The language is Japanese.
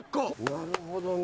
なるほどね。